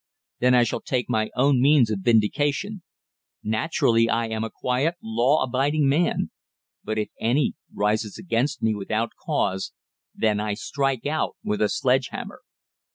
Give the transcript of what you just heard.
Then I shall take my own means of vindication. Naturally I am a quiet, law abiding man. But if any enemy rises against me without cause, then I strike out with a sledgehammer."